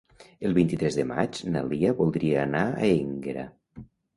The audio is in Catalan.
El vint-i-tres de maig na Lia voldria anar a Énguera.